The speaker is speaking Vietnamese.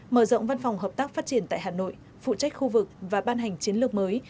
mở rộng văn phòng hợp tác phát triển tại hà nội phụ trách khu vực và ban hành chiến lược mới